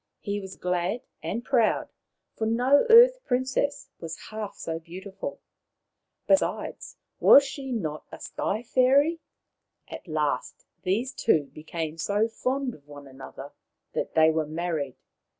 He was glad and proud, for no Earth princess was half so beautiful ; besides, was she not a Sky fairy ? At last these two became so fond of one 35 36 Maoriland Fairy Tales another that they were married.